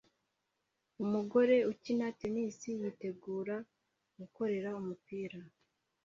Umugore ukina tennis yitegura gukorera umupira